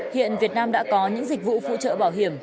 hiện việt nam đã có những dịch vụ phụ trợ bảo hiểm